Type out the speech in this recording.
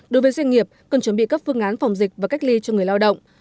đối với doanh nghiệp cần chuẩn bị các phương án phòng dịch và cách ly cho người lao động